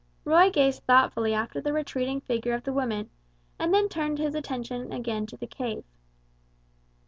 Roy gazed thoughtfully after the retreating figure of the woman, and then turned his attention again to the cave.